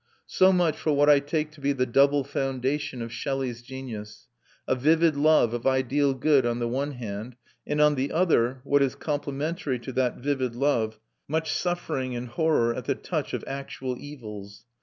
So much for what I take to be the double foundation of Shelley's genius, a vivid love of ideal good on the one hand, and on the other, what is complementary to that vivid love, much suffering and horror at the touch of actual evils.